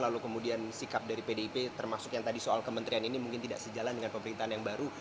lalu kemudian sikap dari pdip termasuk yang tadi soal kementerian ini mungkin tidak sejalan dengan pemerintahan yang baru